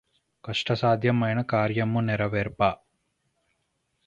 కష్టసాధ్యమైన కార్యమ్ము నెరవేర్ప